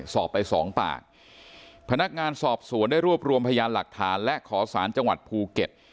สอบไปสองปากพนักงานสอบสวนได้รวบรวมพยานหลักฐานและขอสารจังหวัดภูเก็ต